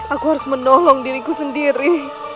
aku harus menolong diriku sendiri